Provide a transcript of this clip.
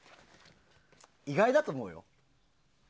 意外だと思うよ。